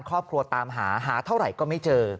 ครอบครัวตามหาหาเท่าไหร่ก็ไม่เจอ